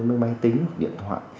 mới máy tính điện thoại